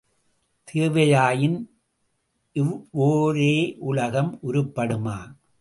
தேவையாயின் இவ்வொரேயுலகம் உருப்படுமா?